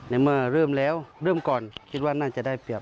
ในเมื่อเริ่มแล้วเริ่มก่อนคิดว่าน่าจะได้เปรียบ